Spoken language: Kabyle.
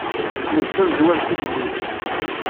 Nekk d tamezrawt tigellilt.